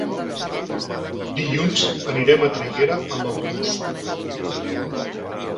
Dilluns anirem a Traiguera amb autobús.